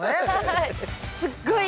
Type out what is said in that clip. はい。